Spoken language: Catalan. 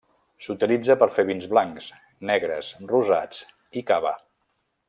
S'utilitza per fer vins blancs, negres, rosats i cava.